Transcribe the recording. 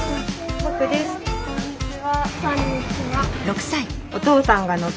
こんにちは。